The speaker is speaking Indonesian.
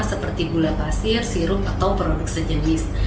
seperti gula pasir sirup atau produk sejenis